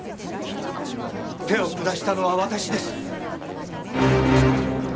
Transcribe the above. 手を下したのは私です！